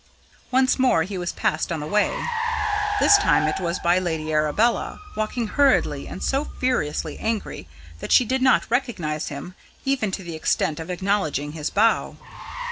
Once more he was passed on the way. This time it was by Lady Arabella, walking hurriedly and so furiously angry that she did not recognise him, even to the extent of acknowledging his bow.